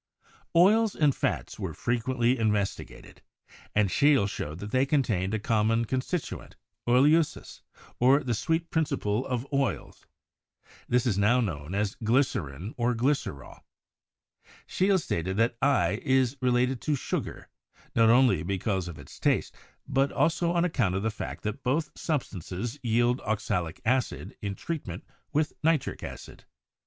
Oils and fats were frequently investigated, and Scheele showed that they contained a common constituent, oelsiiss, or the "sweet principle of oils." This is now known as glycerin, or glycerol. Scheele stated that i* is related to sugar, not only because of its taste, but also on account of the fact that both substances yield oxalic acid in treat ment with nitric acid.